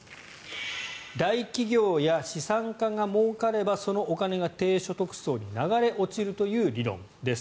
大企業や資産家がもうかればそのお金が低所得層に流れ落ちるという理論です。